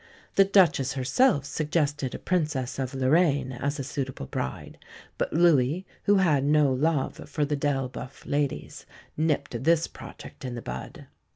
The Duchess herself suggested a Princess of Lorraine, as a suitable bride, but Louis, who had no love for the d'Elboeuf ladies, nipped this project in the bud.